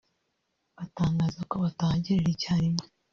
batangaza ko batahagerera icyarimwe